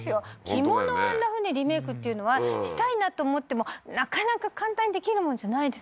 着物をあんなふうにリメイクっていうのはしたいなと思ってもなかなか簡単にできるもんじゃないですもの